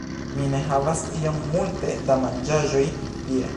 Mi ne havas tiom multe da manĝaĵoj tie